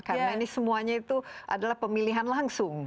karena ini semuanya itu adalah pemilihan langsung